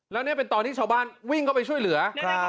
แล้วนี่เป็นตอนที่ชาวบ้านวิ่งเข้าไปช่วยเหลือ